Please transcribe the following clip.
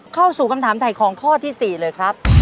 เข้าสู่คำถามของข้อที่สี่เลยครับ